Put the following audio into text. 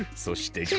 そして。